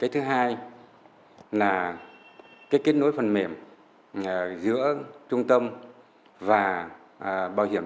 thứ hai là kết nối phần mềm giữa trung tâm và bảo hiểm